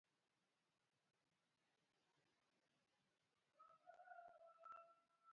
Ka wadwaro ni kuwe obedie